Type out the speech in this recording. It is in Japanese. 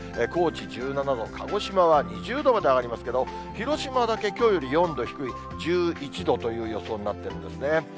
高知１７度、鹿児島は２０度まで上がりますけど、広島だけきょうより４度低い１１度という予想になってるんですね。